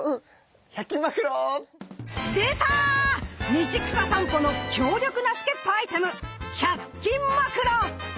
道草さんぽの強力な助っとアイテム１００均マクロ！